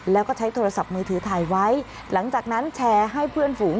แล้วก็ใช้โทรศัพท์มือถือถ่ายไว้หลังจากนั้นแชร์ให้เพื่อนฝูง